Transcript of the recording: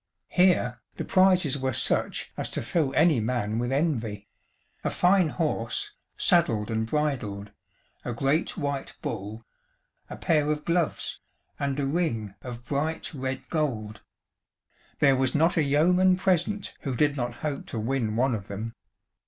Here the prizes were such as to fill any man with envy; a fine horse, saddled and bridled, a great white bull, a pair of gloves, and a ring of bright red gold. There was not a yeoman present who did not hope to win one of them.